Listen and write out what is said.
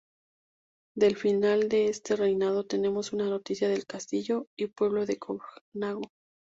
Del final de este reinado tenemos una noticia del castillo y pueblo de Cornago.